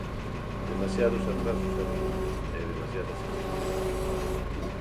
Demasiados atrasos e renuncias, e demasiadas inseguridades.